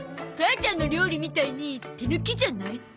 母ちゃんの料理みたいに手抜きじゃない？